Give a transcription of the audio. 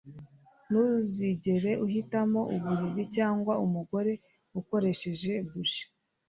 ntuzigere uhitamo uburiri cyangwa umugore ukoresheje buji